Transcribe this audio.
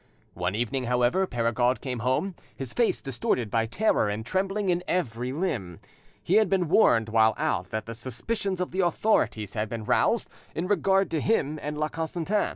One evening, however, Perregaud came home, his face distorted by terror and trembling in every limb. He had been warned while out that the suspicions of the authorities had been aroused in regard to him and La Constantin.